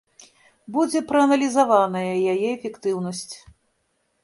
Будзе прааналізаваная яе эфектыўнасць.